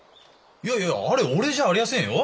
いやいやあれ俺じゃありやせんよ。